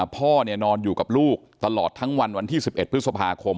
พ่อนอนอยู่กับลูกตลอดทั้งวันวันที่๑๑พฤษภาคม